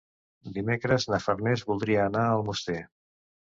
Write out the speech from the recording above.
Dimecres na Farners voldria anar a Almoster.